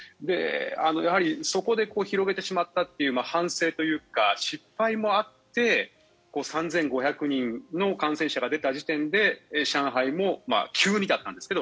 やはりそこで広げてしまったという反省というか失敗もあって３５００人の感染者が出た時点で上海も急にだったんですが